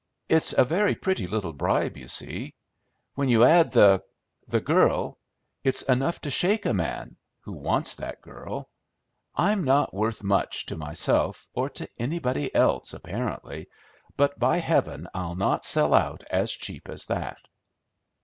It's a very pretty little bribe, you see; when you add the the girl, it's enough to shake a man who wants that girl. I'm not worth much to myself, or to anybody else, apparently, but by Heaven I'll not sell out as cheap as that!